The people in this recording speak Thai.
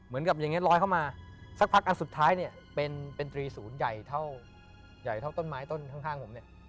เหมือนกับอย่างนี้ลอยเข้ามาสักพักอันสุดท้ายเนี่ยเป็นตรีศูนย์ใหญ่เท่าใหญ่เท่าต้นไม้ต้นข้างผมเนี่ย